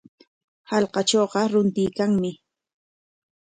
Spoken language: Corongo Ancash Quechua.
Hallqatrawqa runtuykanmi.